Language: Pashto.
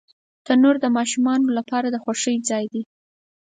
تنور د ماشومانو لپاره د خوښۍ ځای دی